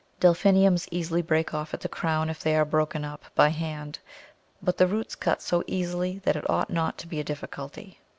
Delphiniums easily break off at the crown if they are broken up by hand, but the roots cut so easily that it ought not to be a difficulty.